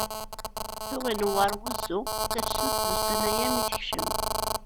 Tuɣ inewweṛ uzzu, tafsut d ussan-aya mi tekcem.